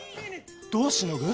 どうしのぐ？